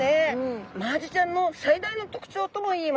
マアジちゃんの最大の特徴ともいいます